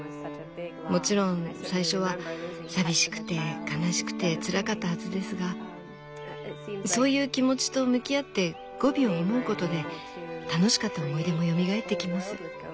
もちろん最初は寂しくて悲しくてつらかったはずですがそういう気持ちと向き合ってゴビを思うことで楽しかった思い出もよみがえってきます。